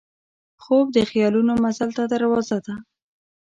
خوب د خیالاتو مزل ته دروازه ده